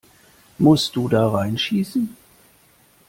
Musst du da reinschießen?